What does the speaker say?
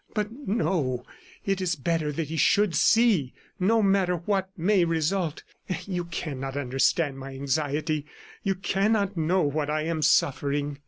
... But no; it is better that he should see, no matter what may result. You cannot understand my anxiety, you cannot know what I am suffering."